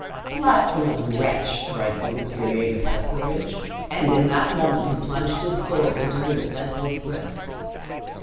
"Blasphemous wretch!" cried the infuriated Heselrigge; and in that moment he plunged his sword into her defenseless breast.